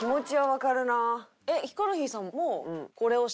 えっヒコロヒーさんも。